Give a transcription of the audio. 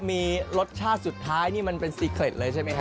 มีรสชาติสุดท้ายมันเป็นสิกเนตรที่เลยใช่ไหมครับ